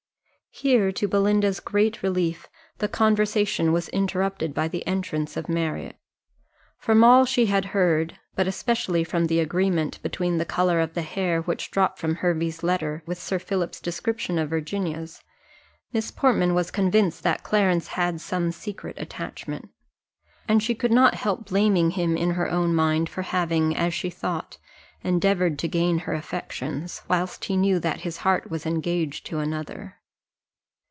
Here, to Belinda's great relief, the conversation was interrupted by the entrance of Marriott. From all she had heard, but especially from the agreement between the colour of the hair which dropped from Hervey's letter with Sir Philip's description of Virginia's, Miss Portman was convinced that Clarence had some secret attachment; and she could not help blaming him in her own mind for having, as she thought, endeavoured to gain her affections, whilst he knew that his heart was engaged to another.